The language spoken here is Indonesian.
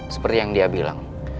seperti yang dia bilang